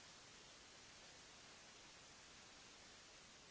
เมื่อเวลาอันดับสุดท้ายมันกลายเป็นภูมิที่สุดท้าย